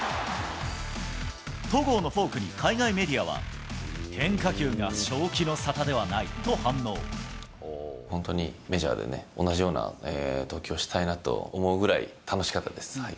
戸郷のフォークに、海外メディアは、変化球が正気の沙汰ではない本当にメジャーでね、同じような投球をしたいなと思うぐらい楽しかったです。